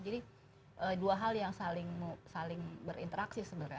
jadi dua hal yang saling berinteraksi sebenarnya